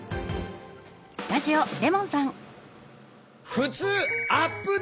「ふつうアップデート」！